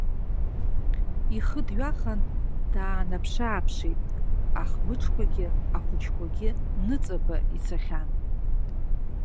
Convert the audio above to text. Ихы дҩахан даанаԥшы-ааԥшит, ахбыџқәагьы, ахәыҷқәагьы ныҵаба ицахьан.